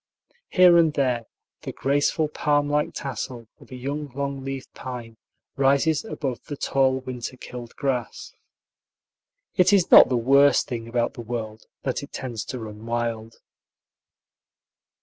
Here and there the graceful palm like tassel of a young long leaved pine rises above the tall winter killed grass. It is not the worst thing about the world that it tends to run wild.